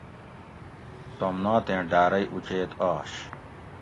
سومناتیں ڈارئ اوچیت آش